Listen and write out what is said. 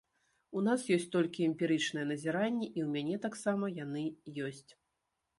У нас ёсць толькі эмпірычныя назіранні, і ў мяне таксама яны ёсць.